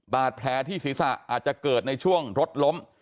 บาดแผลที่ศีรษะอาจจะเกิดในช่วงรถล้ม